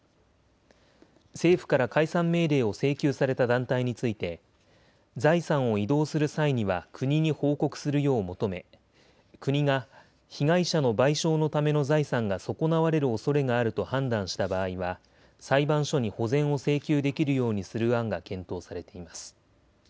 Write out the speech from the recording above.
政府から解散命令を請求された団体について財産を移動する際には国に報告するよう求め国が被害者の賠償のための財産が損なわれるおそれがあると判断した場合は裁判所に保全を請求できるようにする案が検討されています。